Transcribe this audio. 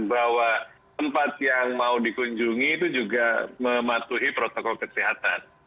bahwa tempat yang mau dikunjungi itu juga mematuhi protokol kesehatan